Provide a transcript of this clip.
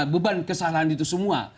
beban kesalahan itu semua